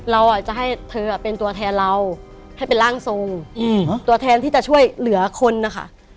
เราจะให้เธอเป็นตัวแทนเราให้เป็นร่างทรงตัวแทนที่จะช่วยเหลือคนนะคะ